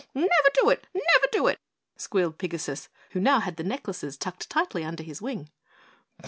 "Never do it! Never do it!" squealed Pigasus, who now had the necklaces tucked tightly under his wing.